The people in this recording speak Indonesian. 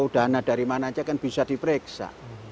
dana dari mana saja kan bisa diperiksa